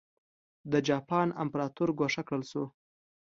د جاپان امپراتور ګوښه کړل شو.